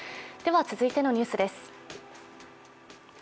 続いてのニュースです。